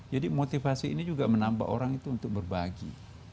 jadi motivasi ini juga menambah orang itu untuk berbagi